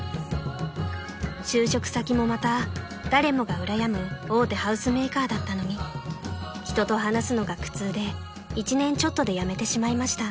［就職先もまた誰もがうらやむ大手ハウスメーカーだったのに人と話すのが苦痛で１年ちょっとで辞めてしまいました］